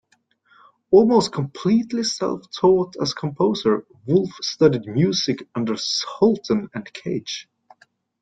Almost completely self-taught as composer, Wolff studied music under Sultan and Cage.